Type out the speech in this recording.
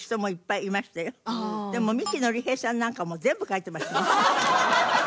でも三木のり平さんなんかも全部書いてましたね。